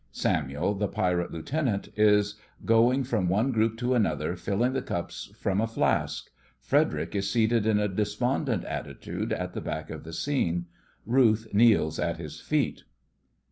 SAMUEL, the Pirate Lieutenant, is going from one group to another, filling the cups from a flask. FREDERIC is seated in a despondent attitude at the back of the scene. RUTH kneels at his feet.)